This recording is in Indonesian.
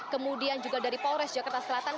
kemudian juga dari polres jakarta selatan